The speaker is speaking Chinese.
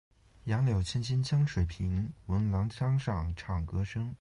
杨柳青青江水平，闻郎江上唱歌声。